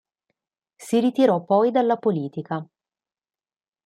Si ritirò poi dalla politica.